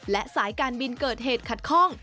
และสายการบินเกิดเหตุขัดข้อง